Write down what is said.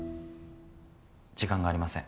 時間がありません